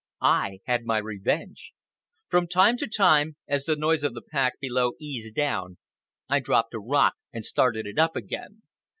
I had my revenge. From time to time, as the noise of the pack below eased down, I dropped a rock and started it up again.